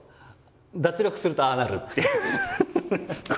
脱力するとああなるっていう。